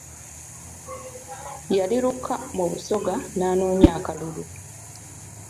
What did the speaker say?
Yali Luuka mu Busoga ng’anoonya akalulu.